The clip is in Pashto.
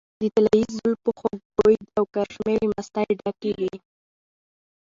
د طلايي زلفو خوږ بوي او کرشمې له مستۍ ډکې وې .